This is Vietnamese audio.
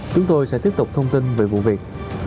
chúng tôi sẽ tiếp tục thông tin về vụ việc